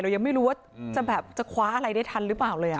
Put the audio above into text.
ยังไม่รู้ว่าจะแบบจะคว้าอะไรได้ทันหรือเปล่าเลย